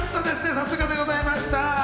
さすがでございました。